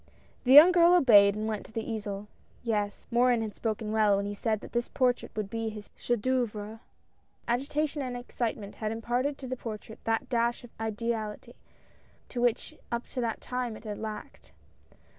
The young girl obeyed and went to the easel. Yes, Morin had spoken well, when he said that this portrait would be his chef d" oeuvre. Agitation and excitement had imparted to the portrait that dash of ideality which up to that time it had lacked.